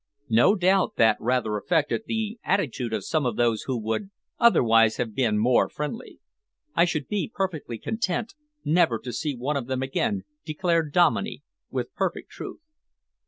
No doubt that rather affected the attitude of some of those who would otherwise have been more friendly." "I should be perfectly content never to see one of them again," declared Dominey, with perfect truth.